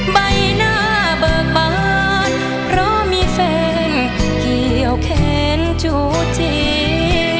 ใบหน้าเบิกบานเพราะมีแฟนเกี่ยวแขนจูจี